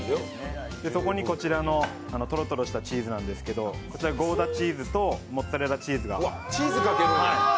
そこにトロトロしたチーズなんですけど、こちらゴーダチーズとモッツァレラチーズが。